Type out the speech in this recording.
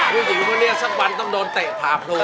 ผู้หญิงเหมือนเนี่ยสักวันต้องโดนเตะพาพลู